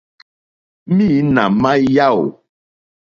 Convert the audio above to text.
Mǐnà má yáò.